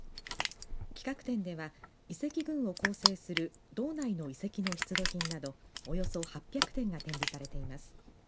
企画展では遺跡群を構成する道内の遺跡の出土品などおよそ８００点が展示されています。